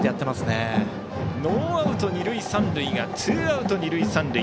ノーアウト二塁三塁がツーアウト二塁三塁。